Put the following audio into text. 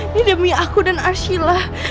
ini demi aku dan arshila